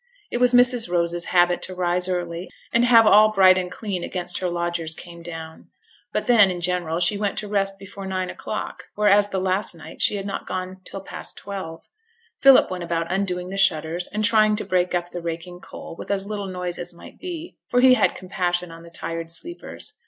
It was Mrs. Rose's habit to rise early, and have all bright and clean against her lodgers came down; but then, in general, she went to rest before nine o'clock, whereas the last night she had not gone till past twelve. Philip went about undoing the shutters, and trying to break up the raking coal, with as little noise as might be, for he had compassion on the tired sleepers.